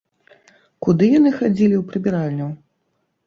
Куды яны хадзілі ў прыбіральню?